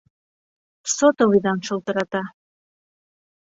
Сотовыйҙан шылтырата.